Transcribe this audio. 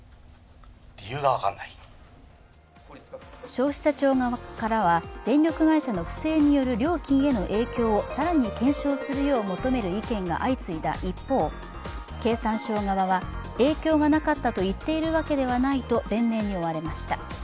消費者庁側は電力会社の不正による料金への影響を更に検証するよう求める意見が相次いだ一方、経産省側は、影響がなかったと言っているわけではないと弁明に追われました。